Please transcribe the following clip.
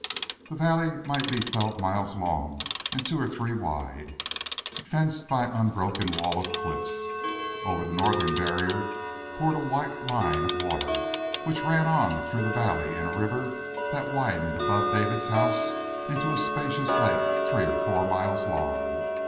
The valley might be twelve miles long, and two or three wide, fenced by an unbroken wall of cliffs. Over the northern barrier poured a white line of water, which ran on through the valley in a river that widened above David's house into a spacious lake three or four miles long.